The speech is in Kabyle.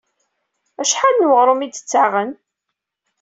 Acḥal n weɣrum i d-ttaɣen?